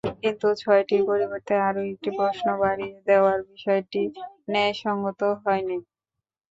কিন্তু ছয়টির পরিবর্তে আরও একটি প্রশ্ন বাড়িয়ে দেওয়ার বিষয়টি ন্যায়সংগত হয়নি।